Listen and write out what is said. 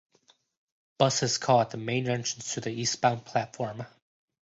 Buses call at the main entrance to the eastbound platform.